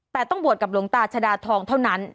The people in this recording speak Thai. แต่ต้องบวชกับหลวงตาชดาทองเท่านั้น